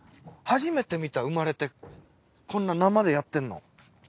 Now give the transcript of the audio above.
初めて見た生まれてこんなん生でやってんの。